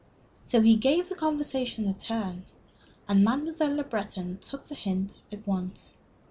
So he gave the conversation a turn, and Mademoiselle Le Breton took the hint at once.